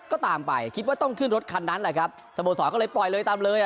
ก็ตามไปคิดว่าต้องขึ้นรถคันนั้นแหละครับสโมสรก็เลยปล่อยเลยตามเลยอ่ะ